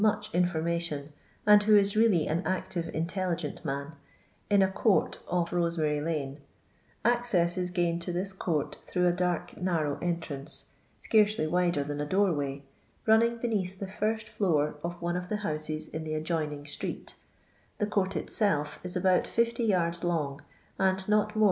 168 much mforiBAtion, and who i« rcilly an active intelligent roan, iu a court off Rtjsemary lane, Acceas is gained to this court through a dark narrow entrance, scarcely wider tlian a doorway, roniixug beneath the first floor of one of the bou8«s in the adjoining street The court itself is about 50 yards Ioug» and not moro.